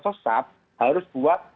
nggak tersesat harus buat